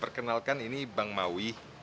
perkenalkan ini bang mawi